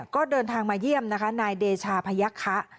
ก็เดินทางมาเยี่ยมนะคะนายเดชาพยักษะ